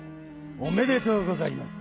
おめでとうございます。